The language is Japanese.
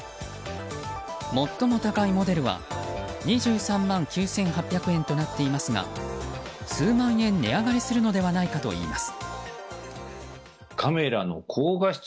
最も高いモデルは２３万９８００円となっていますが数万円値上がりするのではないかといいます。